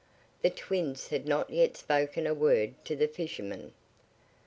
The twins had not yet spoken a word to the fisherman.